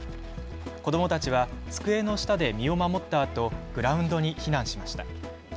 子どもたちは机の下で身を守ったあとグラウンドに避難しました。